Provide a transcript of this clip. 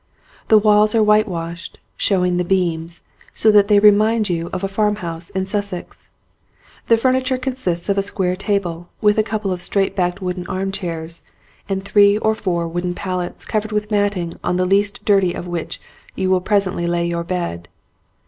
The walls are whitewashed, showing the beams, so that they remind you of a farmhouse in Sussex. The furni ture consists of a square table, with a couple of straight backed wooden arm chairs, and three or 41 ON A CHINESE SCEEEN four wooden pallets covered with matting on the least dirty of which you will presently lay your bed.